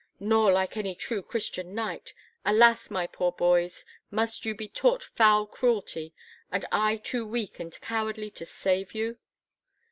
"Nor like any true Christian knight. Alas, my poor boys, must you be taught foul cruelty and I too weak and cowardly to save you?"